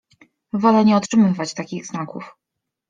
Wolę nie otrzymywać takich znaków!…